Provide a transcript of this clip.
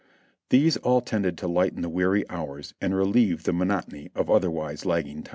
These all tended to lighten the weary hours and relieve the monotony of otherwise lagging time.